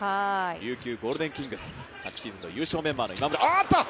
琉球ゴールデンキングス、昨シーズンの優勝メンバーの今村。